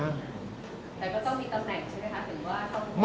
แต่ก็ต้องมีตำแหน่งใช่ไหมคะ